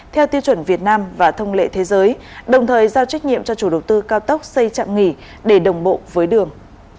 theo tiêu chuẩn việt nam và thông lệ thế giới đồng thời giao trách nhiệm cho chủ đầu tư cao tốc xây chạm nghỉ để đồng bộ với đường